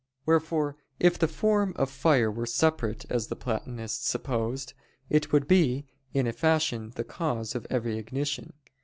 Wherefore if the form of fire were separate, as the Platonists supposed, it would be, in a fashion, the cause of every ignition.